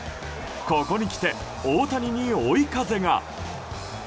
ここにきて、大谷に追い風が！